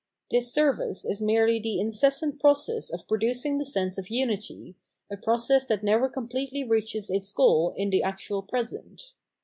This service is merely the incessant process of producing the sense of unity, a process that never completely reaches its goal in the actual present.